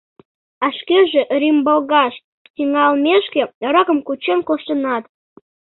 А шкеже рӱмбалгаш тӱҥалмешке ракым кучен коштынат.